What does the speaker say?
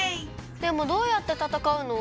でもどうやってたたかうの！？